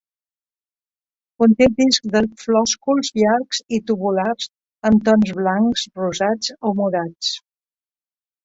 Conté discs de flòsculs llargs i tubulars amb tons blancs, rosats o morats.